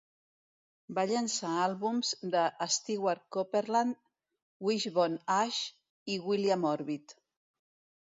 Va llançar àlbums de Stewart Copeland, Wishbone Ash i William Orbit.